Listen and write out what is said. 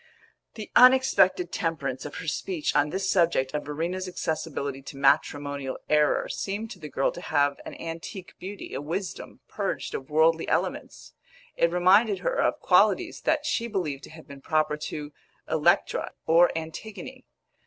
The unexpected temperance of her speech on this subject of Verena's accessibility to matrimonial error seemed to the girl to have an antique beauty, a wisdom purged of worldly elements; it reminded her of qualities that she believed to have been proper to Electra or Antigone.